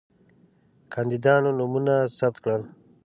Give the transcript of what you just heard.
کاندیدانو نومونه ثبت کړل.